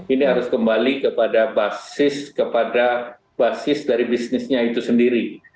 ini harus kembali kepada basis dari bisnisnya itu sendiri